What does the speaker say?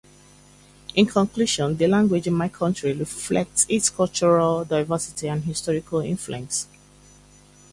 In conclusion, the languages in my country reflect its cultural diversity and historical influences.